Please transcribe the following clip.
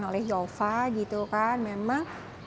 oleh yova gitu kan memang